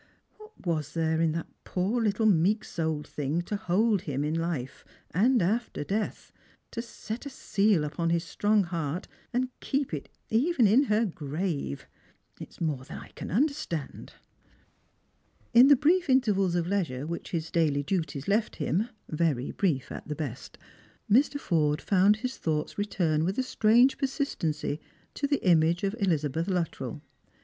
What was there in that poor little meek souled thing to hold him in life, and after death — to set a seal upon his strong heart, and keep it even ip, hor gruye ? It is more than I can understand."' E 62 Strangers and Pilyrms. In tte brief intervals of leisure whicli his daily duties left him — very brief at the best — Mr. Forde found his thoughts return with a strange persistency to the image of EUz; abeth Luttrell.